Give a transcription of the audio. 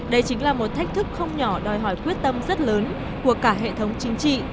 đây chính là một thách thức không nhỏ đòi hỏi quyết tâm rất lớn của cả hệ thống chính trị